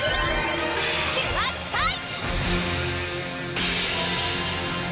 キュアスカイ！